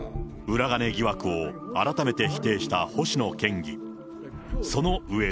裏金疑惑を改めて否定した星野県議。